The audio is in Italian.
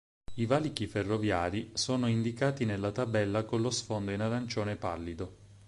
I valichi ferroviari sono indicati nella tabella con lo sfondo in arancione pallido.